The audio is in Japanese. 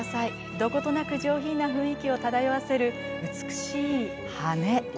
どことなく上品な雰囲気を漂わせる美しい羽根。